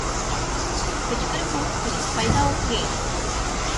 Кычкырыме ок кӱл — пайда ок лий!